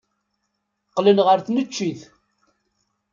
Qqlen ɣer tneččit.